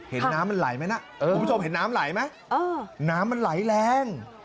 เห็นน้ำมันไหลไหมนะคุณผู้ชมเห็นน้ำไหลไหมน้ำมันไหลแรง